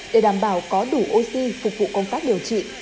để đảm bảo có đủ oxy phục vụ công tác điều trị